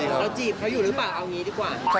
เราจีบเขาอยู่หรือเปล่าเอางี้ดีกว่า